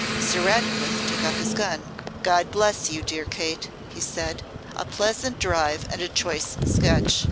Sir Ratcliffe took up his gun. 'God bless you, dear Kate,' he said; 'a pleasant drive and a choice sketch.